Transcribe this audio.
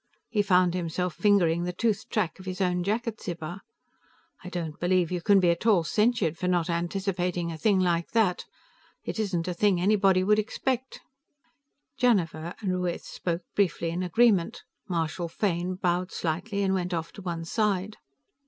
He found himself fingering the toothed track of his own jacket zipper. "I don't believe you can be at all censured for not anticipating a thing like that. It isn't a thing anybody would expect." Janiver and Ruiz spoke briefly in agreement. Marshal Fane bowed slightly and went off to one side.